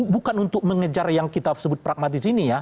bukan untuk mengejar yang kita sebut pragmatis ini ya